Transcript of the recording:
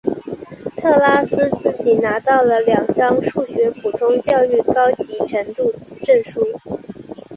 特拉斯自己拿到了两张数学普通教育高级程度证书。